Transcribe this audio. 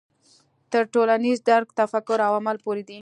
تر ټولنیز درک تفکر او عمل پورې دی.